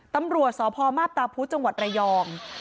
ตำรวจสพมาพตาพุธจังหวัดระยอง